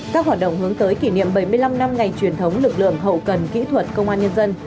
các hoạt động hướng tới kỷ niệm bảy mươi năm năm ngày truyền thống lực lượng hậu cần kỹ thuật công an nhân dân